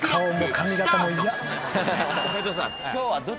斎藤さん。